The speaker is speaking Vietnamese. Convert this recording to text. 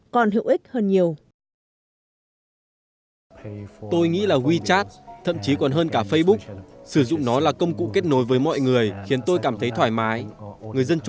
còn hữu ích hơn nhiều